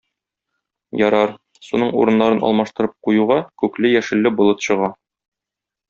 Ярар, суның урыннарын алмаштырып куюга, күкле-яшелле болыт чыга.